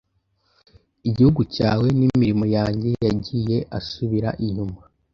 Igihugu cyawe nimirimo yanjye Yagiyeasubira inyuma